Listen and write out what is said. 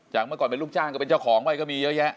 เมื่อก่อนเป็นลูกจ้างก็เป็นเจ้าของไว้ก็มีเยอะแยะ